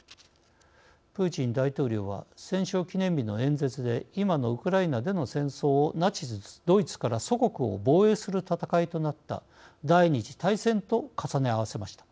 プーチン大統領は戦勝記念日の演説で今のウクライナでの戦争をナチスドイツから祖国を防衛する戦いとなった第２次大戦と重ね合わせました。